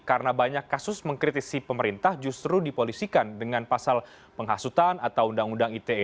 karena banyak kasus mengkritisi pemerintah justru dipolisikan dengan pasal penghasutan atau undang undang ite